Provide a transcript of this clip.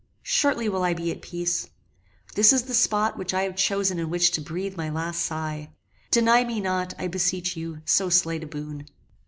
Shortly will I be at peace. This is the spot which I have chosen in which to breathe my last sigh. Deny me not, I beseech you, so slight a boon.